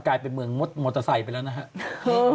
กลายเป็นเมืองมอเตอร์ไซส์ไปแล้วนะฮะ